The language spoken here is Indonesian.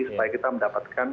supaya kita mendapatkan